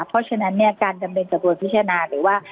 เพราะฉะนั้นการดำเนินตัวโดยพิชานาหรือว่า